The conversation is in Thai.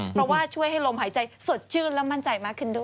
เพราะว่าช่วยให้ลมหายใจสดชื่นและมั่นใจมากขึ้นด้วย